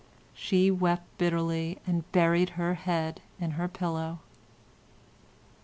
She wept bitterly, and buried her head in her pillow.